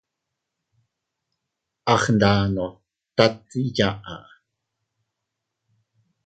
A gndano tat iyaʼa.